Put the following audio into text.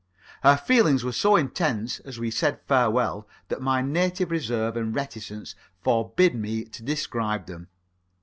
Our feelings were so intense as we said farewell that my native reserve and reticence forbid me to describe them.